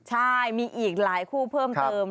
ใช่มีอีกหลายคู่เพิ่มเติม